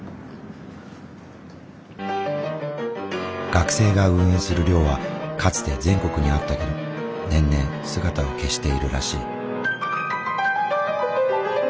学生が運営する寮はかつて全国にあったけど年々姿を消しているらしい。